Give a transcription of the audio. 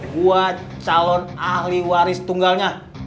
buat calon ahli waris tunggalnya